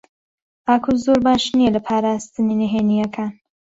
ئاکۆ زۆر باش نییە لە پاراستنی نهێنییەکان.